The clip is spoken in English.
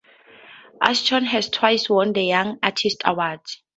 Ashton has twice won the Young Artist Award.